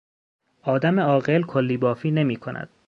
آدم عاقل کلیبافی نمیکند.